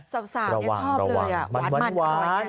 สาวสาวชอบเลยหวานมันหวาน